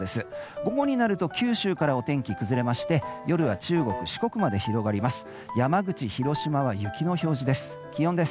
午後になると九州からお天気崩れまして夜は中国・四国まで広がります。